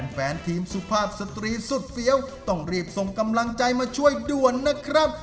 แฟนทีมสุภาพสตรีสุดเฟี้ยวต้องรีบส่งกำลังใจมาช่วยด่วนนะครับ